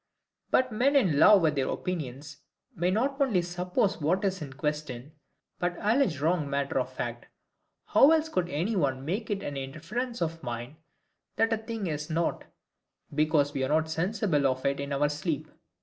But men in love with their opinions may not only suppose what is in question, but allege wrong matter of fact. How else could any one make it an inference of mine, that a thing is not, because we are not sensible of it in our sleep?